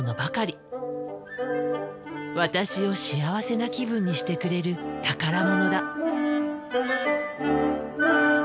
私を幸せな気分にしてくれる宝物だ。